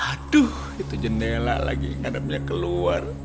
aduh itu jendela lagi kadang kadang keluar